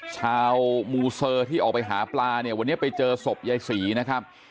ชาวมูเซอร์ที่ออกไปหาปลาเนี่ยวันนี้ไปเจอศพยายศรีนะครับ